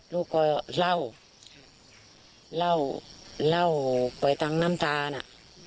ลูกก็เล่าเล่าเล่าไปทั้งน้ำตาน่ะ